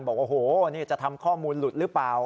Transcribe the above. บอกโอ้โหนี่จะทำข้อมูลหลุดหรือเปล่า